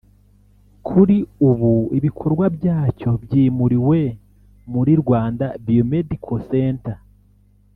kuri ubu ibikorwa byacyo byimuriwe muri Rwanda Biomedical Center